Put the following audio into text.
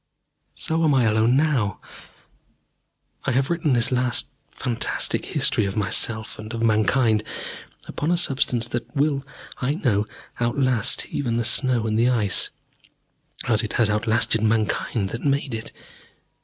So am I alone now. I have written this last fantastic history of myself and of Mankind upon a substance that will, I know, outlast even the snow and the Ice as it has outlasted Mankind that made it.